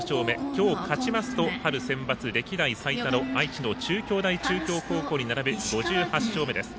今日、勝ちますと春センバツ歴代最多の愛知の中京大中京高校に並ぶ５８勝目です。